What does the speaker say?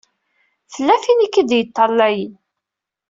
Tella tin i k-id-iṭṭalayen.